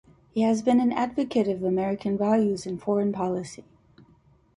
He has been an advocate of American values in foreign policy.